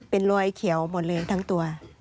เป็นรอยเขียวหมดเลยทั้งตัว